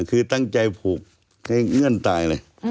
คือตั้งใจผูกให้เงื่อนตายเลย